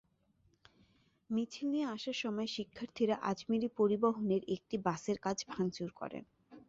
মিছিল নিয়ে আসার সময় শিক্ষার্থীরা আজমেরি পরিবহনের একটি বাসের কাচ ভাঙচুর করেন।